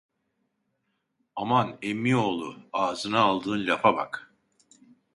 Aman, emmioğlu, ağzına aldığın lafa bak.